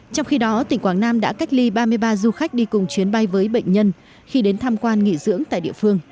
trong khi đó tỉnh quảng nam đã cách ly ba mươi ba du khách đi cùng chuyến bay với bệnh nhân khi đến tham quan nghỉ dưỡng tại địa phương